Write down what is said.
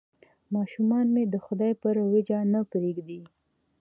ماشومان مې د خدای پر اوېجه نه پرېږدي.